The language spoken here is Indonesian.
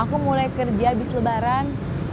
aku mulai kerja abis lebaran